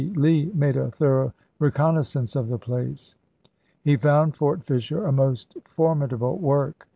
Lee made a thorough re connaissance of the place. He found Fort Fisher a most formidable work.